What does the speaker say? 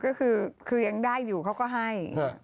อ๋อก็คือคือยังได้อยู่เขาก็ให้